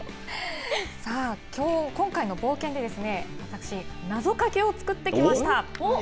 今回の冒険で、私、なぞかけを作ってきました。